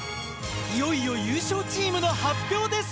いよいよ優勝チームの発表です。